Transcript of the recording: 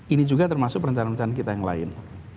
ini juga termasuk perencanaan perencanaan kita yang lain